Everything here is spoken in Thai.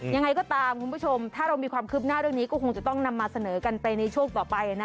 ยังไงก็ตามคุณผู้ชมถ้าเรามีความคืบหน้าเรื่องนี้ก็คงจะต้องนำมาเสนอกันไปในช่วงต่อไปนะ